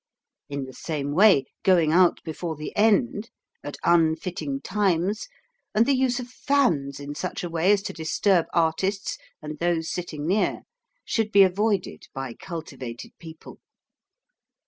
In the same way, going out before the end, at unfitting times, and the use of fans in such a way as to disturb artists and those sitting near should be avoided by cultivated people.